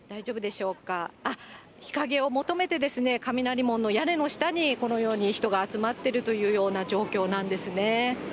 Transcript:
日陰を求めて、雷門の屋根の下に、このように人が集まっているというような状況なんですね。